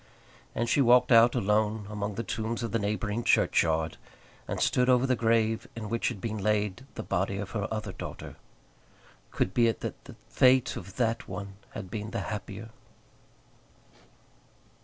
And she walked out alone among the tombs of the neighbouring churchyard, and stood over the grave in which had been laid the body of her other daughter. Could be it that the fate of that one had been the happier.